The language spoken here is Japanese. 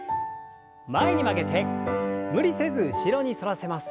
前に曲げて無理せず後ろに反らせます。